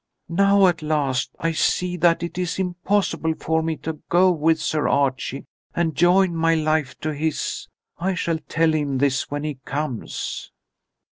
Now at last I see that it is impossible for me to go with Sir Archie and join my life to his. I shall tell him this when he comes."